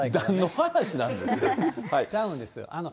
ちゃうんですよ。